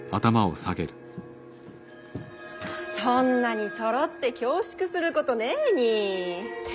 そんなにそろって恐縮することねぇにい。